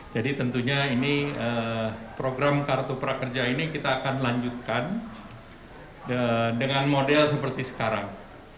jadi tentunya ini program kartu prakerja ini kita akan lanjutkan dengan model seperti sekarang